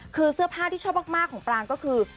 คือเสื้อผ้าที่ชอบมากของปรางก็คือ